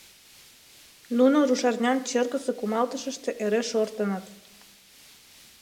Нуно рушарнян черкысе кумалтышыште эре шортыныт.